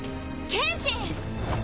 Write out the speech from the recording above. ・剣心！